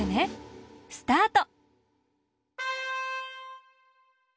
スタート！